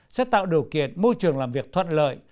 sẽ tạo điều kiện môi trường làm việc thuận lợi